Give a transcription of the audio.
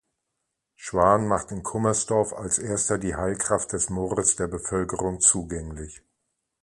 Schwan machte in Kunnersdorf als erster die Heilkraft des Moores der Bevölkerung zugänglich.